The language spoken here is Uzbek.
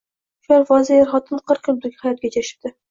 Shu alfozda er-xotin qirq yil birga hayot kechirishibdi.